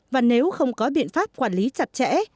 và nếu không có biện pháp quản lý chặt chẽ